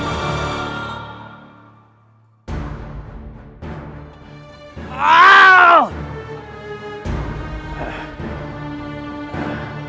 sebelum aku mati konyol